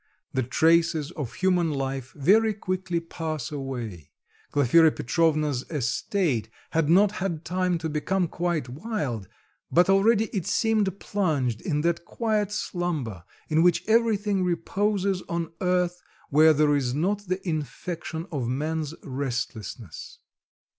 The traces of human life very quickly pass away; Glafira Petrovna's estate had not had time to become quite wild, but already it seemed plunged in that quiet slumber in which everything reposes on earth where there is not the infection of man's restlessness.